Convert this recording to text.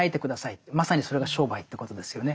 まさにそれが商売ということですよね。